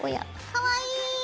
かわいい！